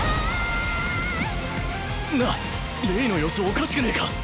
なあレイの様子おかしくねえか？